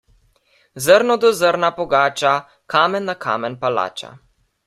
Zrno do zrna pogača, kamen na kamen palača.